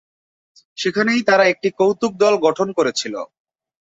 সেখানেই তারা একটি কৌতুক দল গঠন করেছিল।